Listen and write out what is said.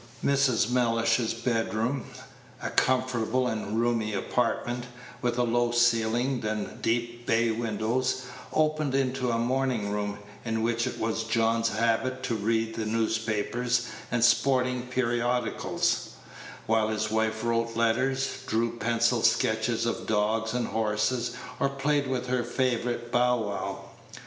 Mrs. Mellish's bedroom, a comfortable and roomy apartment, with a low ceiling and deep bay windows, opened into a morning room, in which it was John's habit to read the newspapers and sporting periodicals, while his wife wrote letters, drew pencil sketches of dogs and horses, or played with her favorite Bow wow.